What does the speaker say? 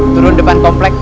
turun depan kompleks